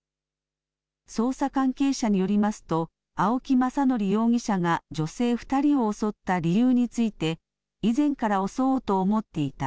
捜査関係者によりますと青木政憲容疑者が女性２人を襲った理由について以前から襲おうと思っていた。